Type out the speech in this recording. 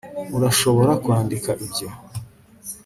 urashobora kwandika ibyo